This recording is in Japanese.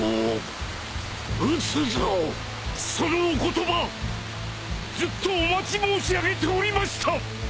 そのお言葉ずっとお待ち申し上げておりました。